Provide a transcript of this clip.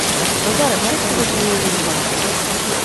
Базаров, сядьте возле меня на диван.